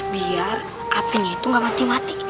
biar apinya itu gak mati mati